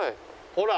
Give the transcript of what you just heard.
ほら。